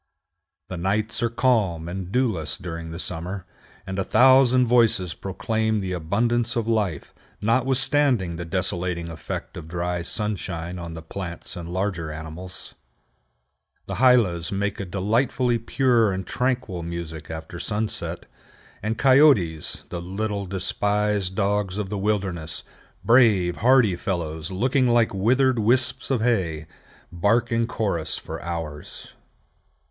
The nights are calm and dewless during the summer, and a thousand voices proclaim the abundance of life, notwithstanding the desolating effect of dry sunshine on the plants and larger animals. The hylas make a delightfully pure and tranquil music after sunset; and coyotes, the little, despised dogs of the wilderness, brave, hardy fellows, looking like withered wisps of hay, bark in chorus for hours.